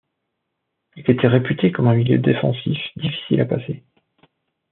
Il était réputé comme un milieu défensif difficile à passer.